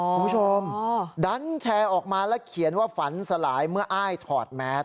คุณผู้ชมดันแชร์ออกมาแล้วเขียนว่าฝันสลายเมื่ออ้ายถอดแมส